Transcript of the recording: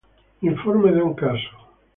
Reporte de un caso.